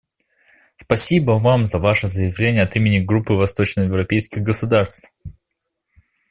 Спасибо Вам за Ваше заявление от имени Группы восточноевропейских государств.